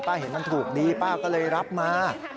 เห็นมันถูกดีป้าก็เลยรับมา